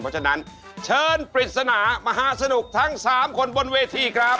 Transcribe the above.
เพราะฉะนั้นเชิญปริศนามหาสนุกทั้ง๓คนบนเวทีครับ